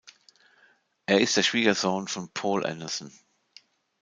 Er ist der Schwiegersohn von Poul Anderson.